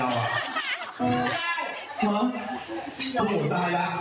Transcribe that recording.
สามารถผิดกับผู้ชม